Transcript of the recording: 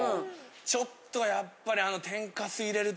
ちょっとやっぱり。